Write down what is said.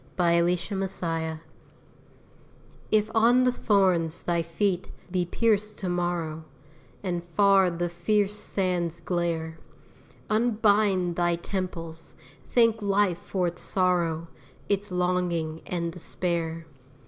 SIC VOS NON VOBIS If on the thorns thy feet be pierced to morrow, And far the fierce sands glare, Unbind thy temples! thank life for its sorrow, Its longing and despair.